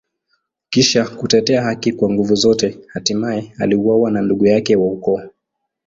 Kisha kutetea haki kwa nguvu zote, hatimaye aliuawa na ndugu yake wa ukoo.